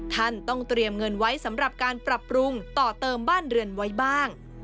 ท่านต้องเตรียมเงินไว้สำหรับการปรับปรุงต่อเติมบ้านเรือนไว้บ้าง